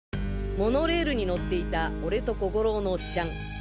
モノレールに乗っていた俺と小五郎のおっちゃん。